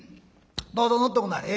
どうぞ乗っておくんなはれ。